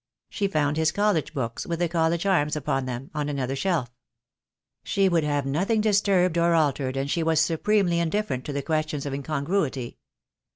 She found his college books, with the college arms upon them, on another shelf. She would have nothing disturbed or altered, and she was supremely indifferent to the question of incongruity.